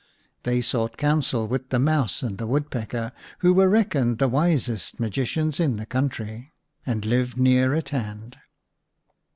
They sought counsel with the Mouse and the Woodpecker, who were reckoned the wisest magicians in the country, and lived near at hand.